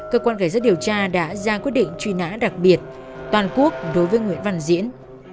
cơ quan cảnh sát điều tra đã ra quyết định truy nã đặc biệt toàn quốc đối với nguyễn văn diễn